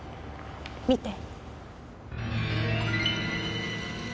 見て。